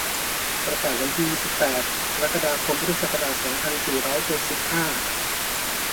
ประกาศมาณวันที่ ยี่สิบแปด กรกฎาคม พุทธศักราช สองพันสี่ร้อยเจ็ดสิบห้า